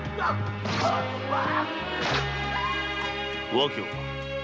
訳は？